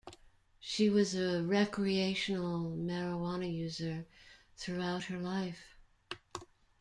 She was a recreational marijuana user throughout her life.